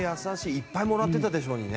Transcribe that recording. いっぱいもらってたでしょうにね。